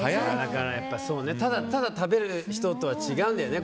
ただ食べる人とは違うんだよね